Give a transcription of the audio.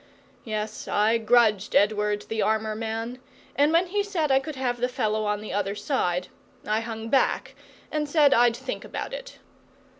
Yes, I grudged Edward the armour man, and when he said I could have the fellow on the other side, I hung back and said I'd think about it.